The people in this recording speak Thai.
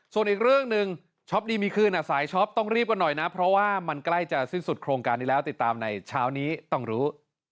ส่วนอีกเรื่องหนึ่งช็อปดีมีคืนสายช็อปต้องรีบกันหน่อยนะเพราะว่ามันใกล้จะสิ้นสุดโครงการนี้แล้วติดตามในเช้านี้ต้องรู้